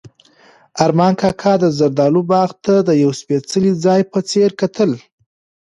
ارمان کاکا د زردالو باغ ته د یو سپېڅلي ځای په څېر کتل.